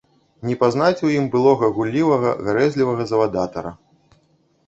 Не пазнаць у ім былога гуллівага, гарэзлівага завадатара.